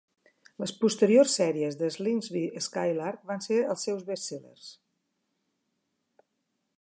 Les posteriors sèries de Slingsby Skylark van ser els seus best sellers.